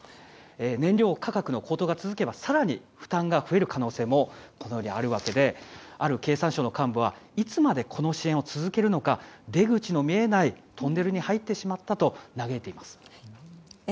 燃料価格の高騰が続けば更に負担が増える可能性もあるわけである経産省の幹部はいつまでこの支援を続けるのか出口の見えないトンネルに入ってしまったと嘆いています。